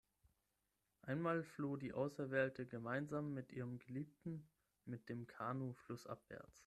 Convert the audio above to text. Einmal floh die Auserwählte gemeinsam mit ihrem Geliebten mit dem Kanu flussabwärts.